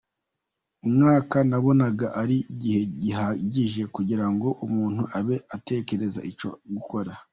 umwaka nabonaga ari igihe gihagije kugira ngo umuntu abe atekereje icyo gukora.